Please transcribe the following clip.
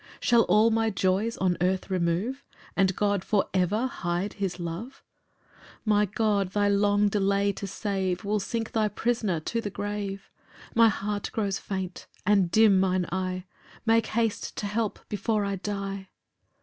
Shall all my joys on earth remove? And God for ever hide his love? 7 My God, thy long delay to save Will sink thy prisoner to the grave; My heart grows faint, and dim mine eye; Make haste to help before I die.